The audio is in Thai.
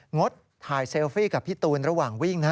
งดถ่ายเซลฟี่กับพี่ตูนระหว่างวิ่งนะ